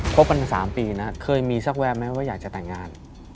บกันมา๓ปีนะเคยมีสักแวมไหมว่าอยากจะแต่งงาน